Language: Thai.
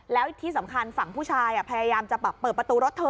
แล้วที่สำคัญฝั่งผู้ชายพยายามจะแบบเปิดประตูรถเธอ